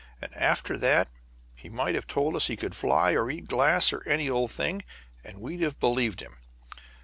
After that he might have told us he could fly or eat glass or any old thing, and we'd have believed him.